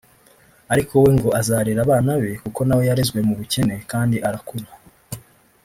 ariko we ngo azarera abana be kuko nawe yarezwe mu bukene kandi arakura